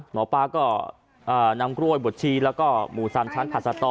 หมอปลาก็นำกล้วยบดชีแล้วก็หมูสามชั้นผัดสตอ